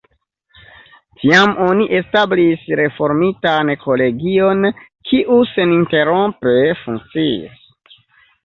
Tiam oni establis reformitan kolegion, kiu seninterrompe funkciis.